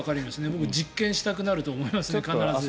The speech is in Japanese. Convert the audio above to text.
僕、実験したくなると思います。